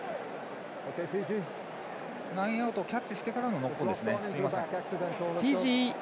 ラインアウトをキャッチしてからのノックオンですね、すみません。